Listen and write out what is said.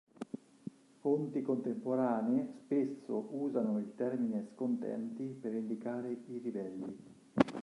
Fonti contemporanee spesso usano il termine "scontenti" per indicare i ribelli.